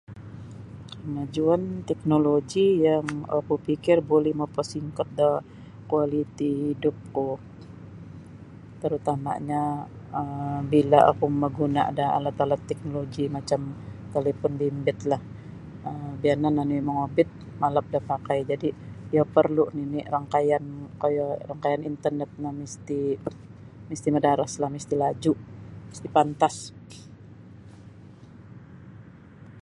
Kemajuan teknoloji yang oku pikir buli mapasingkot do kualiti hidupku tarutama'nyo um bila oku mamaguna' da alat-alat teknoloji macam talipon bimbitlah um biyanan oni' mongobit malap da pakai jadi' iyo porlu' nini' rangkayan koyo rangkayan intenit no misti' misti' madaraslah misti' laju' misti' pantas.